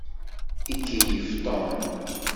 Ikeyyef Tom.